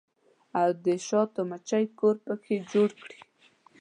او د شاتو مچۍ کور پکښې جوړ کړي